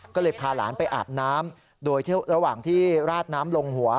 ก็เลยพาหลานไปอาบน้ำโดยระหว่างที่ราดน้ำลงหัว